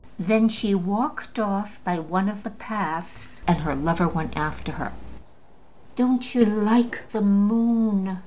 Then she walked off by one of the paths, and her lover went after her. "Don't you like the moon?"